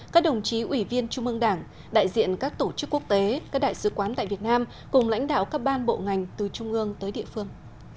các đồng chí ủy viên trung ương đảng đại diện các tổ chức quốc tế các đại sứ quán tại việt nam cùng lãnh đạo các ban bộ ngành từ trung ương tới địa phương